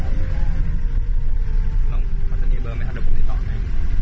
น้องพัฒนีเบิร์นไหมครับเดี๋ยวผมติดต่อให้